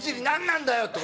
何なんだよ